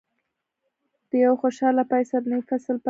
د یوه خوشاله پای سره نوی فصل پیل کړئ.